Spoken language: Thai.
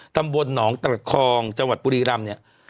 ตำบลหนองตระคองจังหวัดบุรีรำเนี่ย